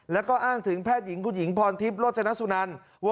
แล้วก็อ้างถึงแพทย์หญิงคุณหญิงพรทิพย์โรจนสุนัน